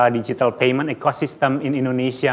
digital payment yang lebih baik di indonesia